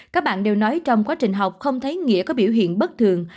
các bạn đều nói trong quá trình học không thấy nghĩa có biểu hiện bất thường